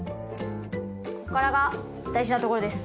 ここからが大事なところです。